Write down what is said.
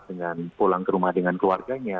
dengan pulang ke rumah dengan keluarganya